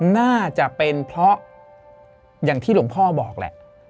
น่าจะเป็นเพราะอย่างที่หลวงพ่อบอกแหละ